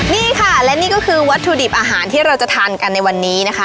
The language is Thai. นี่ค่ะและนี่ก็คือวัตถุดิบอาหารที่เราจะทานกันในวันนี้นะคะ